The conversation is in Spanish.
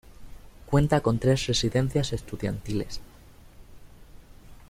Cuenta con tres residencias estudiantiles.